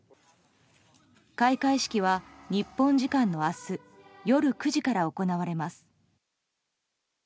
開会式は日本時間の明日夜９時から行われます。